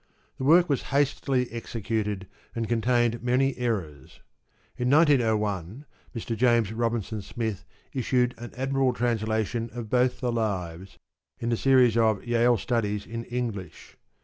The work was hastily executed and contained many errors. In 1901, Mr. James Robinson Smith issued an admirable translation of both the lives, in the series of "Yale Studies in English."